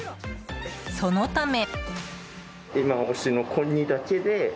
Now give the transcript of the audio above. そのため。